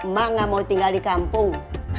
mak enggak mau tinggal di kampung